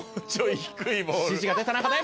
「指示が出た中で」